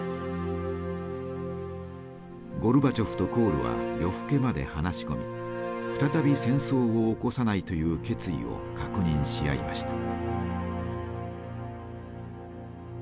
ゴルバチョフとコールは夜更けまで話し込み再び戦争を起こさないという決意を確認し合いました。